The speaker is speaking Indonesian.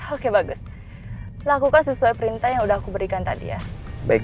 oke bagus lakukan sesuai perintah yang udah aku berikan tadi ya